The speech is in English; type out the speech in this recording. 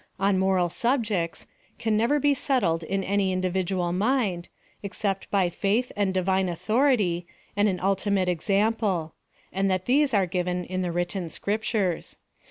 " on moral subjects, can never be settled in any individual mind, except by faith and Divine authority, and an ultimate example ; and that these are given in the written Scriptures.